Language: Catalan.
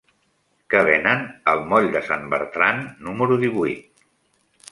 Què venen al moll de Sant Bertran número divuit?